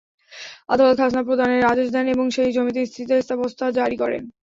আদালত খাজনা প্রদানের আদেশ দেন এবং সেই জমিতে স্থিতাবস্থা জারি করেন।